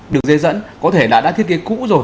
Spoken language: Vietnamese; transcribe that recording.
đường dây dẫn có thể đã thiết kế cũ rồi